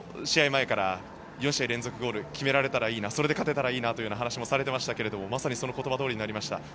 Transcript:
試合前から４試合連続ゴール決められたらいいなそれで勝てたらいいなと話されていましたがまさにその言葉どおりになりました。